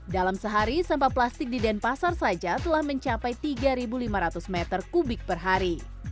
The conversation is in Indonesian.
dalam sehari sampah plastik di denpasar saja telah mencapai tiga lima ratus meter kubik per hari